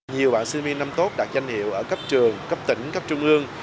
nhiều bạn sinh viên năm tốt đạt danh hiệu ở cấp trường cấp tỉnh cấp trung ương